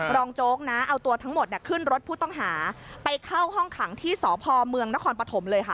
โจ๊กนะเอาตัวทั้งหมดขึ้นรถผู้ต้องหาไปเข้าห้องขังที่สพเมืองนครปฐมเลยค่ะ